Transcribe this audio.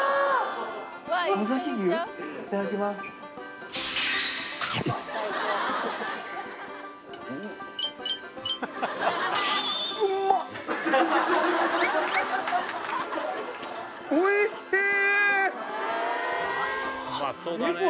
尾崎牛いただきますおいしい！